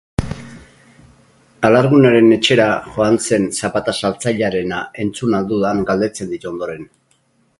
Alargunaren etxera joan zen zapata-saltzailearena entzun al dudan galdetzen dit ondoren.